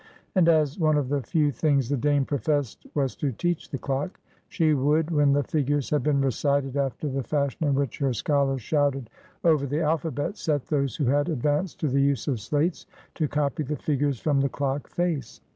And as one of the few things the Dame professed was to "teach the clock," she would, when the figures had been recited after the fashion in which her scholars shouted over the alphabet, set those who had advanced to the use of slates to copy the figures from the clock face.